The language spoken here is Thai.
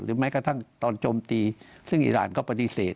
แม้กระทั่งตอนโจมตีซึ่งอีรานก็ปฏิเสธ